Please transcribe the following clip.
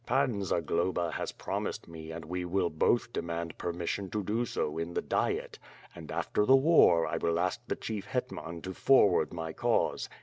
Pan Zagloba has promised me and we will both demand permis sion to do so in the Diet; and, after the war, I will ask the Chief Iletman to forward my cause.